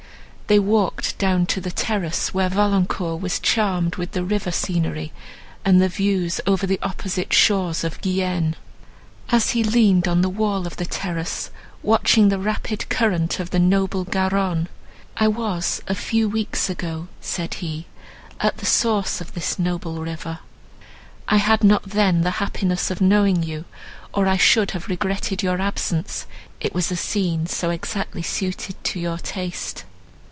They walked down to the terrace, where Valancourt was charmed with the river scenery, and the views over the opposite shores of Guienne. As he leaned on the wall of the terrace, watching the rapid current of the Garonne, "I was a few weeks ago," said he, "at the source of this noble river; I had not then the happiness of knowing you, or I should have regretted your absence—it was a scene so exactly suited to your taste.